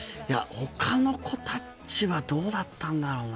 他の子達はどうだったんだろうな